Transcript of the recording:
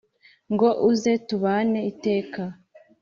ngo uze tubane iteka